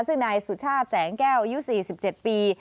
ซึ่งนายสุชาติแสงแก้วอายุ๔๗ปี